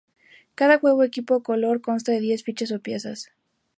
Cada "juego", "equipo" o "color" consta de diez fichas o piezas.